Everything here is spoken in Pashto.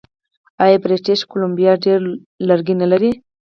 آیا بریټیش کولمبیا ډیر لرګي نلري؟